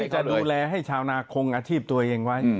เพื่อที่จะดูแลให้ชาวนาคงอาชีพตัวเองไว้